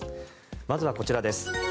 まずはこちらです。